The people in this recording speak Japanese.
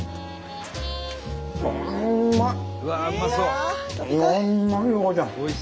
うまい！